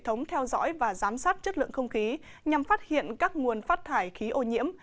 hệ thống theo dõi và giám sát chất lượng không khí nhằm phát hiện các nguồn phát thải khí ô nhiễm